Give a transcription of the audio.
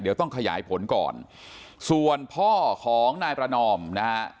เดี๋ยวต้องขยายผลก่อนส่วนพ่อของนายประนอมนะฮะ